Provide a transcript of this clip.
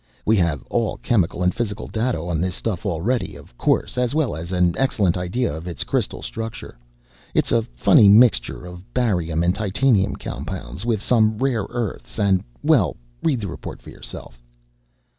We have all chemical and physical data on this stuff already, of course, as well as an excellent idea of its crystal structure. It's a funny mixture of barium and titanium compounds with some rare earths and well, read the report for yourself."